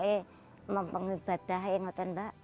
dan saya mengibadah ingat pak